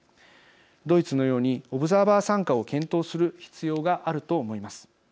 ドイツのようにオブザーバー参加を検討する必要があると思います。